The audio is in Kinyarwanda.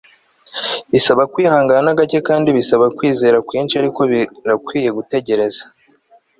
bisaba kwihangana gake kandi bisaba kwizera kwinshi ariko birakwiye gutegereza